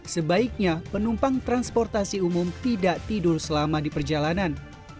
sebaiknya penumpang transportasi umum tidak tidur selama di perjalanan